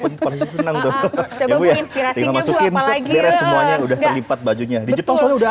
kan seneng seneng ya bu ya masukin cek beres semuanya udah terlipat bajunya di jepang sudah